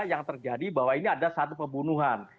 yang terjadi bahwa ini ada satu pembunuhan